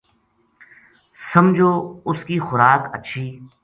سمجھو اُس کی خوراک ہچھی